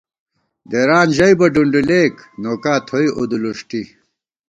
دېران ژَیبہ ڈُنڈُولېک ، نوکا تھوئی اُدُلُݭٹی